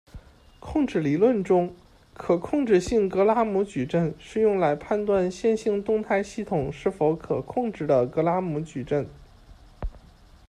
控制理论中，可控制性格拉姆矩阵是用来判断线性动态系统是否可控制的格拉姆矩阵。